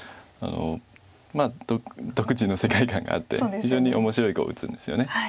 まあ独自の世界観があって非常に面白い碁を打つんですよね。